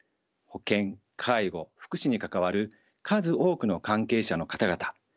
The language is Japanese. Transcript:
保健介護福祉に関わる数多くの関係者の方々